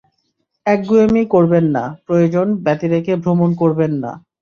একগুঁয়েমি করবেন না, প্রয়োজন ব্যতিরেকে ভ্রমণ করবেন না।